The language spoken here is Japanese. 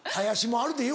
「あるでよ」？